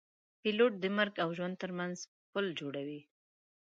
پیلوټ د مرګ او ژوند ترمنځ پل جوړوي.